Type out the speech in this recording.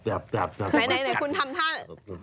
ไหนคุณทำท่า